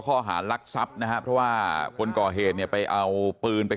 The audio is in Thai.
ข้อหารักทรัพย์นะฮะเพราะว่าคนก่อเหตุเนี่ยไปเอาปืนไป